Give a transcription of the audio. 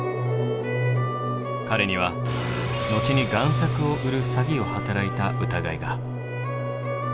彼には後に贋作を売る詐欺を働いた疑いが。